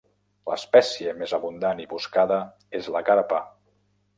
L'espècie més abundant i buscada és la carpa.